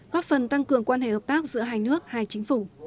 góp phần tăng cường quan hệ hợp tác giữa hai nước hai chính phủ